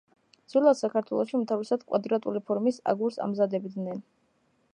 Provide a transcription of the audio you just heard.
ძველად საქართველოში უმთავრესად კვადრატული ფორმის აგურს ამზადებდნენ.